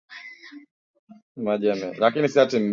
Mwenye kuchukua mimba kwa ajili ya familia fulani